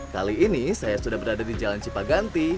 kali ini saya sudah berada di jalan cipaganti